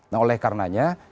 nah oleh karenanya